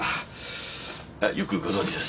よくご存じですね。